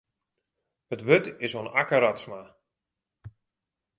It wurd is oan Akke Radsma.